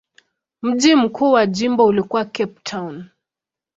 Mji mkuu wa jimbo ulikuwa Cape Town.